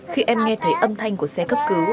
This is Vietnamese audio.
khi em nghe thấy âm thanh của xe cấp cứu